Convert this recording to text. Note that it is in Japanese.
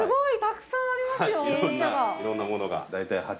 いろんなものが大体。